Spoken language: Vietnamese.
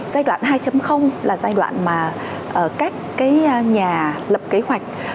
giai đoạn hai là giai đoạn mà các nhà lập kế hoạch